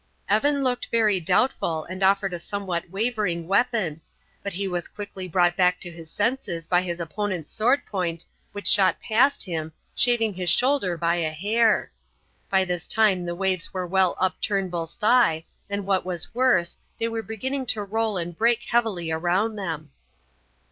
Evan looked very doubtful and offered a somewhat wavering weapon; but he was quickly brought back to his senses by his opponent's sword point, which shot past him, shaving his shoulder by a hair. By this time the waves were well up Turnbull's thigh, and what was worse, they were beginning to roll and break heavily around them.